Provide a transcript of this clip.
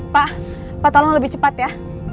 pak pak tolong lebih cepat ya